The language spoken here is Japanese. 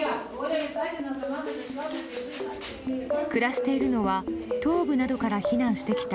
暮らしているのは東部などから避難してきた